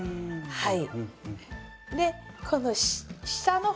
はい。